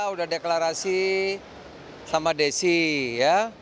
udah deklarasi sama desi ya